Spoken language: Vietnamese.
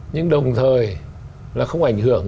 nhưng đồng thời là không ảnh hưởng